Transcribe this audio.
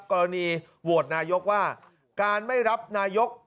กรณีโหวตนายกว่าการไม่รับนายก